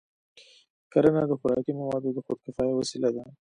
کرنه د خوراکي موادو د خودکفایۍ وسیله ده.